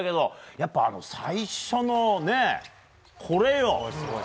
やっぱ最初のこれよ。